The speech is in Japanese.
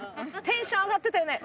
テンション上がってたよね。